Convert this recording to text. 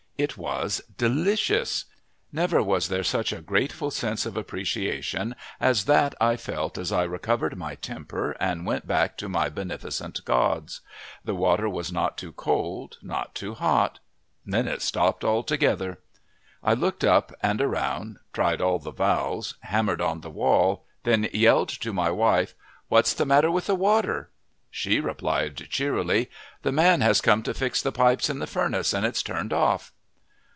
It was delicious. Never was there such a grateful sense of appreciation as that I felt as I recovered my temper and went back to my beneficent gods. The water was not too cold, not too hot. Then it stopped altogether. I looked up and around, tried all the valves, hammered on the wall, and then yelled to my wife: "What's the matter with the water?" She replied cheerily: "The man has come to fix the pipes in the furnace, and it's turned off!"